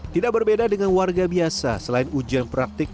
tidak berbeda dengan warga biasa selain ujian praktik